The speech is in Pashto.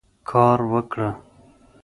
کار وکړه.